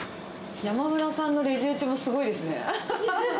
山村さんのレジ打ちもすごいですね。